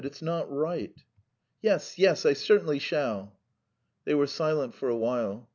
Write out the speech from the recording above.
"It's not right." "Yes, yes; I certainly shall." They were silent for a while.